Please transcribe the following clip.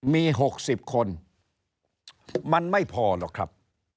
มี๖๐คนมันไม่พอหรอกครับ